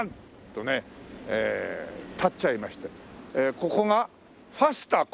ここがファスタ小岩と。